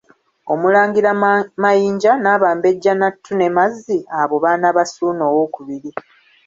Omulangira Mayinja n'abambejja Nattu ne Mazzi, abo baana ba Ssuuna II.